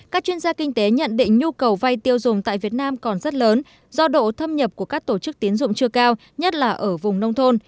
các chuyên gia kinh tế nhận định nhu cầu vay tiêu dùng tại việt nam còn rất lớn do độ thâm nhập của các tổ chức tiến dụng chưa cao nhất là ở vùng nông thôn